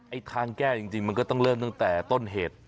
ทางแก้จริงมันก็ต้องเริ่มตั้งแต่ต้นเหตุ